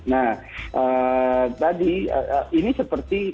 nah tadi ini seperti